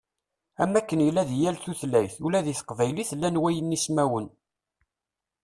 Am wakken yella di yal tutlayt, ula deg teqbaylit llan waynismawen.